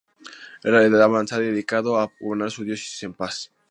Era de avanzada edad y dedicado a gobernar su diócesis en paz.